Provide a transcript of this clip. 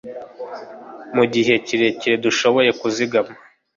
Mugihe kirekire dushobora kuzigama